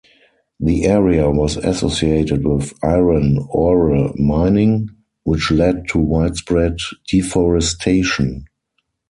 The area was associated with iron ore mining, which led to widespread deforestation.